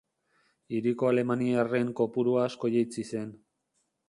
Hiriko alemaniarren kopurua asko jaitsi zen.